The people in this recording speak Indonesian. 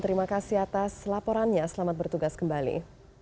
terima kasih atas laporannya selamat bertugas kembali